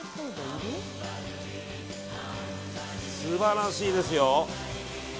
素晴らしいですよ。